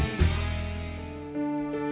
ceng eh tunggu